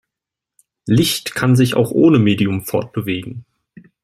Licht kann sich auch ohne Medium fortbewegen.